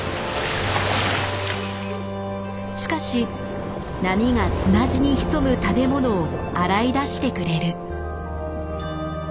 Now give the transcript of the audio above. しかし波が砂地に潜む食べものを洗い出してくれる。